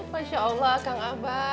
masya allah kang abah